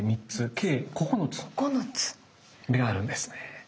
計９つ目があるんですね。